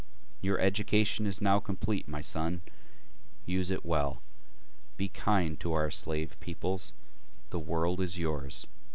Your education is now complete my son, use it well. Be kind to our slave peoples, the world is yours.